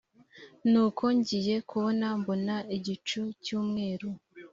nuko ngiye kubona mbona igicu cy umweru